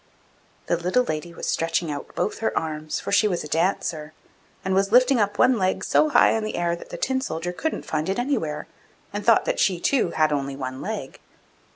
The little lady was stretching out both her arms, for she was a Dancer, and was lifting up one leg so high in the air that the Tin soldier couldn't find it anywhere, and thought that she, too, had only one leg.